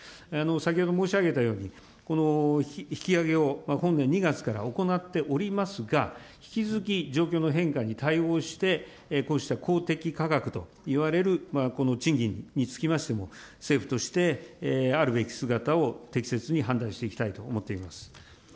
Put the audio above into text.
先ほど申し上げたように、引き上げを本年２月から行っておりますが、引き続き、状況の変化に対応して、こうした公的価格といわれるこの賃金につきましても、政府として、あるべき姿を適切に判断していきたいと思っています。